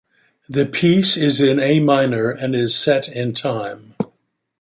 The piece is in A minor and is set in time.